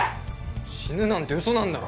死ぬなんて嘘なんだろ？